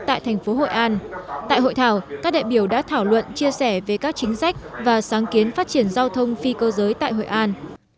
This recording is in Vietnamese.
tại thành phố hội an tại hội thảo các đại biểu đã thảo luận chia sẻ về các chính sách và sáng kiến phát triển giao thông phi cơ giới tại hội an